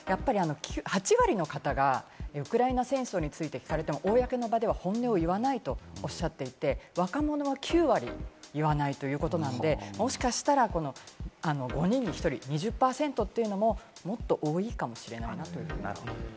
８割の方がウクライナ戦争について聞かれて、公の場では本音を言わないとおっしゃっていて、若者は９割言わないということなので、もしかしたら５人に１人、２０％というのももっと多いかもしれないなと思います。